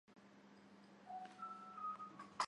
锈荚藤是豆科羊蹄甲属的植物。